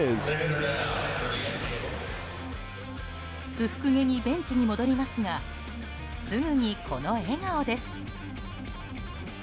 不服げにベンチに戻りますがすぐにこの笑顔です。